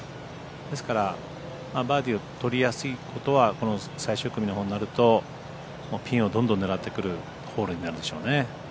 ですからバーディーをとりやすいことはこの最終組のほうになるとピンをどんどん狙ってくるホールになるでしょうね。